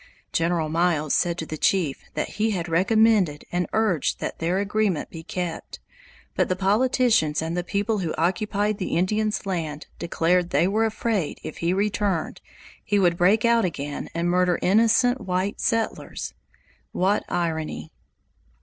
General Miles said to the chief that he had recommended and urged that their agreement be kept, but the politicians and the people who occupied the Indians' land declared they were afraid if he returned he would break out again and murder innocent white settlers! What irony!